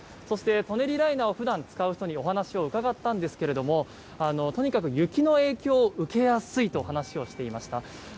そして、舎人ライナーを普段使う人にお話を伺ったんですがとにかく雪の影響を受けやすいと話をしていました。